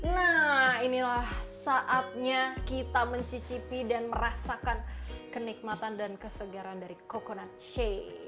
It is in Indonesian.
nah inilah saatnya kita mencicipi dan merasakan kenikmatan dan kesegaran dari coconut shape